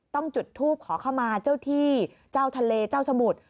ต้องจุดทูปขอเข้ามาเจ้าที่เจ้าทะเลเจ้าสมุทร